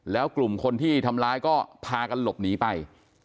แล้วกลุ่มคนที่ทำร้ายก็พากันหลบหนีไป